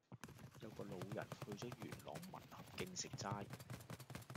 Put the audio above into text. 有個老人去左元朗民合徑食齋